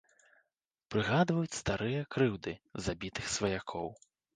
Прыгадваюць старыя крыўды, забітых сваякоў.